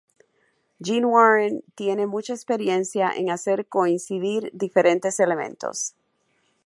Gene Warren tiene mucha experiencia en hacer coincidir diferentes elementos.